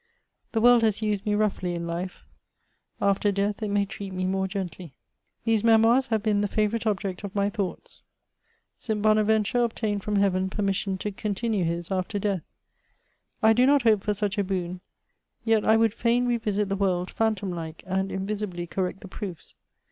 The world has used me roughly in Ufe; — after death, it may treat me more « gently. These Memoirs have been the favourite object of my thoughts. St. Bonaventure obtained from Heaven permission to continue bis after death. I do not hope for such a boon ; yet I would fain revisit the world, phantom like, and invisibly correct the proofs.